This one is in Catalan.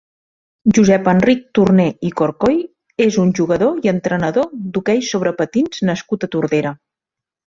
Josep Enric Torner i Corcoy és un jugador i entrenador d'hoquei sobre patins nascut a Tordera.